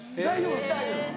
大丈夫？